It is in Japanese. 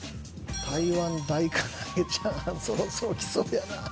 台湾大からあげチャーハンそろそろきそうやな。